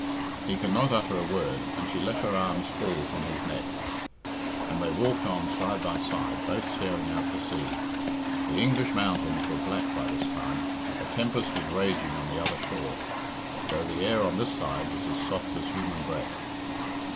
He could not utter a word, and she let her arms fall from his neck; and they walked on side by side, both staring out to sea. The English mountains were black by this time. A tempest was raging on the other shore, though the air on this side was as soft as human breath.